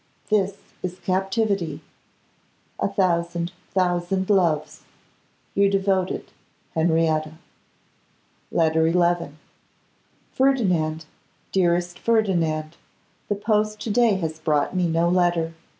This is captivity. A thousand, thousand loves. Your devoted Henrietta. Letter XI. Ferdinand, dearest Ferdinand, the post to day has brought me no letter.